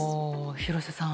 廣瀬さん。